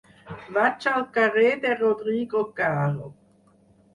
Vaig al carrer de Rodrigo Caro.